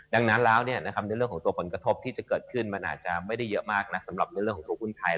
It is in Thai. ดังนั้นแล้วในเรื่องของตัวผลกระทบที่จะเกิดขึ้นมันอาจจะไม่ได้เยอะมากนะสำหรับในเรื่องของตัวหุ้นไทย